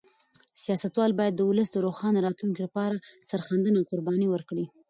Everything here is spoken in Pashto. سیاستوال باید د ولس د روښانه راتلونکي لپاره سرښندنه او قرباني ورکړي.